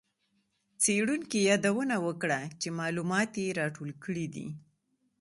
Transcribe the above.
څېړونکي یادونه وکړه چي معلومات یې راټول کړي دي.